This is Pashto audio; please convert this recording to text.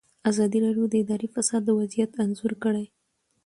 ازادي راډیو د اداري فساد وضعیت انځور کړی.